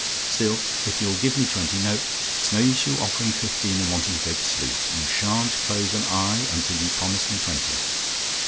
Still, if you'll give me twenty no, it's no use your offering fifteen, and wanting to go to sleep. You sha'n't close an eye until you promise me twenty.